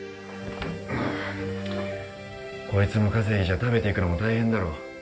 こいつの稼ぎじゃ食べていくのも大変だろ？